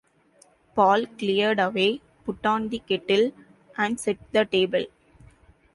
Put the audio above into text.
Paul cleared away, put on the kettle, and set the table.